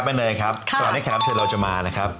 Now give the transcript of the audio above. พี่ยามครับอันนี้ครับเชิดเราจะมานะครับ